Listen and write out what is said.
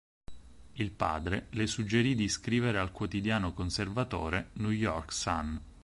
Il padre le suggerì di scrivere al quotidiano conservatore "New York Sun".